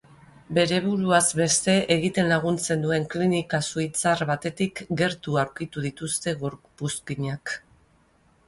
Bere buruaz beste egiten laguntzen duen klinika suitzar batetik gertu aurkitu dituzte gorpuzkinak.